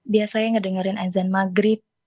biasanya ngedengerin azan maghrib